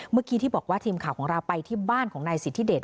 เมื่อกี้ที่บอกว่าทีมข่าวของเราไปที่บ้านของนายสิทธิเดช